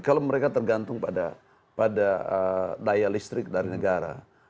kalau mereka tergantung pada daya listrik dari negara